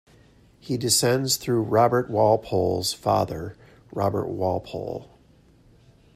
He descends through Robert Walpole's father Robert Walpole.